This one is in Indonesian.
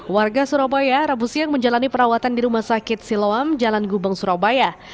warga surabaya rabu siang menjalani perawatan di rumah sakit siloam jalan gubeng surabaya